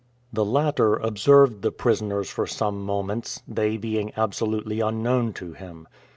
The latter observed the prisoners for some moments, they being absolutely unknown to him.